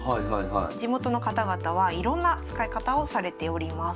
地元の方々はいろんな使い方をされております。